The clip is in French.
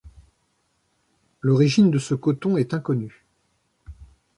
L'origine de ce coton est inconnue.